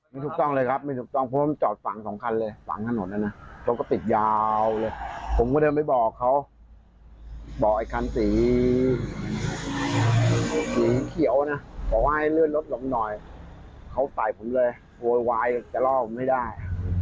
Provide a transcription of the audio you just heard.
ไม่ถูกต้องเลยครับไม่ถูกต้องเพราะว่ามันจอดฝั่งสองคันเลยฝั่งถนนนะนะรถก็ติดยาวเลยผมก็เดินไปบอกเขาบอกไอ้คันสีสีเขียวนะบอกว่าให้เลื่อนรถลงหน่อยเขาใส่ผมเลยโวยวายจะล่อผมไม่ได้